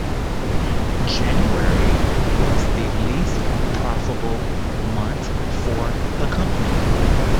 January was the least profitable month for the company.